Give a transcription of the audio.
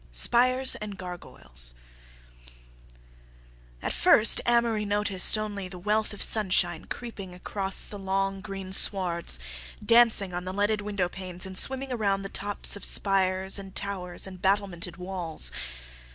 Spires and Gargoyles At first Amory noticed only the wealth of sunshine creeping across the long, green swards, dancing on the leaded window panes, and swimming around the tops of spires and towers and battlemented walls.